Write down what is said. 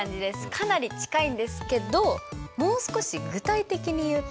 かなり近いんですけどもう少し具体的に言うと？